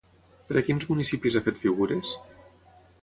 Per a quins municipis ha fet figures?